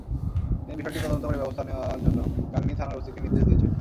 তিনি বিষয়টি তদন্ত করে ব্যবস্থা নেওয়ার জন্য গাংনী থানার ওসিকে নির্দেশ দিয়েছেন।